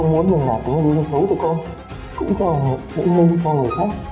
vũ thị mừng